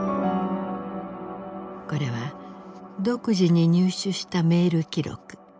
これは独自に入手したメール記録。